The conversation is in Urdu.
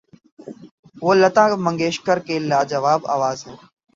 وہ لتا منگیشکر کی لا جواب آواز ہے۔